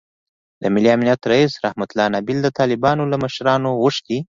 د ملي امنیت رییس رحمتالله نبیل د طالبانو له مشرانو غوښتي